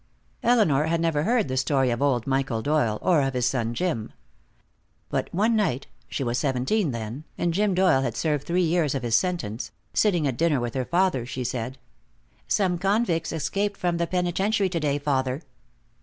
Elinor had never heard the story of old Michael Doyle, or of his son Jim. But one night she was seventeen then, and Jim Doyle had served three years of his sentence sitting at dinner with her father, she said: "Some convicts escaped from the penitentiary today, father."